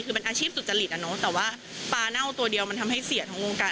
คือเป็นอาชีพสุจริตอ่ะเนอะแต่ว่าปลาเน่าตัวเดียวมันทำให้เสียทั้งวงการ